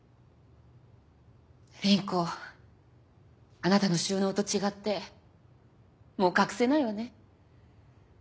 凛子あなたの収納と違ってもう隠せないわね。